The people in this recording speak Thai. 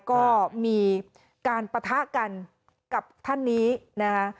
ก็มีการปะทะกันกับท่านนี้นะคะ